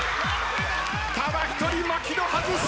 ただ一人槙野外す！